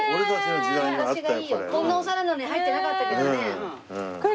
こんなオシャレなのに入ってなかったけどね。